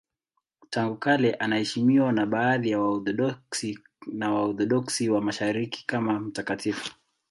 Tangu kale anaheshimiwa na baadhi ya Waorthodoksi na Waorthodoksi wa Mashariki kama mtakatifu.